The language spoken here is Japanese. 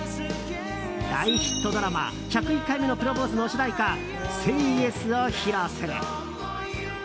大ヒットドラマ「１０１回目のプロポーズ」の主題歌「ＳＡＹＹＥＳ」を披露する。